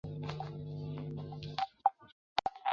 它与它的兄弟钻石光之海同样来自印度的安德拉邦。